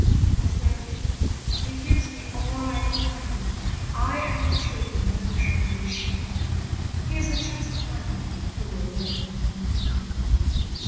I say again, he gives me all I claimed, I and my children never shall be shamed: He is a just man, he will live unblamed.